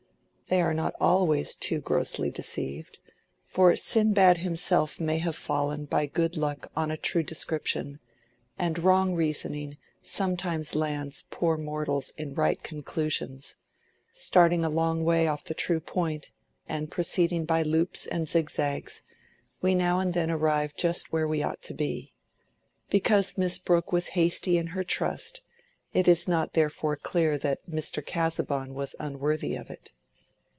They are not always too grossly deceived; for Sinbad himself may have fallen by good luck on a true description, and wrong reasoning sometimes lands poor mortals in right conclusions: starting a long way off the true point, and proceeding by loops and zigzags, we now and then arrive just where we ought to be. Because Miss Brooke was hasty in her trust, it is not therefore clear that Mr. Casaubon was unworthy of it.